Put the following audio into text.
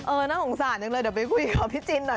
น่าสงสารจังเลยเดี๋ยวไปคุยกับพี่จินหน่อย